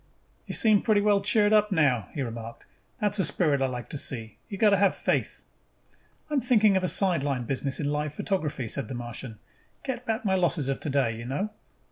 "You seem pretty well cheered up now," he remarked. "That is a spirit I like to see. You have got to have faith." "I'm thinking of a sideline business in live photography," said the Martian. "Get back my losses of today, you know."